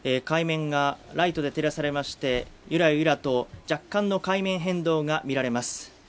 海面がライトで照らされまして、ゆらゆらと若干の海面変動が見られます